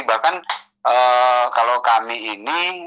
bahkan kalau kami ini